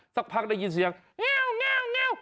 สักพักได้ยินเสียงเงี๊ยวเงี๊ยวเงี๊ยว